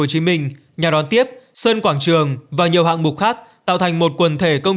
hồ chí minh nhà đón tiếp sơn quảng trường và nhiều hạng mục khác tạo thành một quần thể công